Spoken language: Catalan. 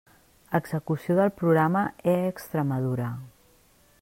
Execució del Programa e-Extremadura.